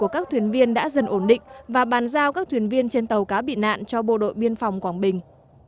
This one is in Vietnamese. các thuyền viên đã dần ổn định và bàn giao các thuyền viên trên tàu cá bị nạn cho bộ đội biên phòng quảng bình